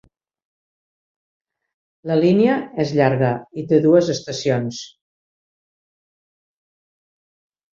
La línia és llarga i té dues estacions.